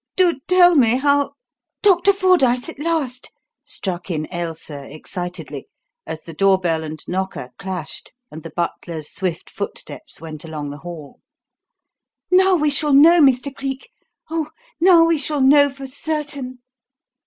"Do tell me how " "Doctor Fordyce, at last!" struck in Ailsa excitedly, as the door bell and knocker clashed and the butler's swift footsteps went along the hall. "Now we shall know, Mr. Cleek oh, now we shall know for certain!"